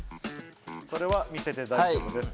それは見せて大丈夫です。